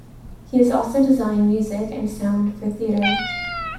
He has also designed music and sound for theatre.